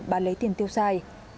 và lấy tiền tiêu xài